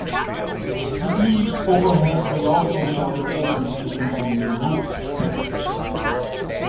The eaves overhang may also shelter openings to ventilate the roof space.